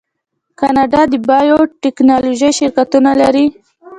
کاناډا د بایو ټیکنالوژۍ شرکتونه لري.